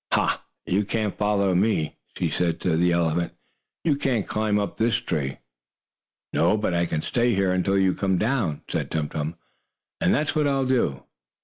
"Ha! Now you can't follow me!" she said to the elephant. "You can't climb up this tree!" "No, but I can stay here until you come down," said Tum Tum, "and that's what I'll do."